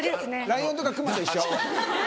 ライオンとか熊と一緒。